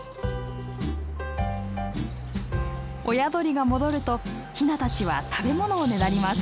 親鳥が戻るとヒナたちは食べ物をねだります。